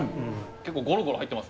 結構ゴロゴロ入ってます